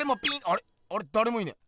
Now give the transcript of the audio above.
あれだれもいねえ。